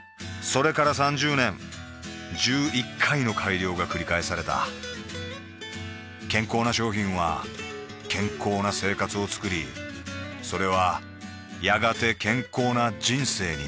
それから３０年１１回の改良がくり返された健康な商品は健康な生活をつくりそれはやがて健康な人生になる